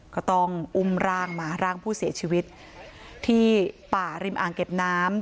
ก็ต้องอุ้มร่างมาร่างผู้เสียชีวิตที่ป่าริมอ่างเก็บน้ำ